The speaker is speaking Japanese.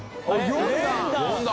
４段！